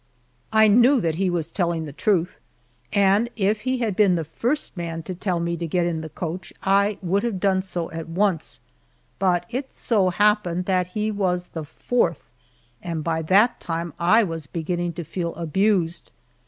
I knew that he was telling the truth, and if he had been the first man to tell me to get in the coach I would have done so at once, but it so happened that he was the fourth, and by that time I was beginning to feel abused.